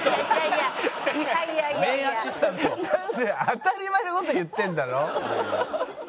当たり前の事言ってるだろ？